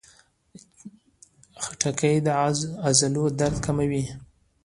خټکی د عضلو درد کموي.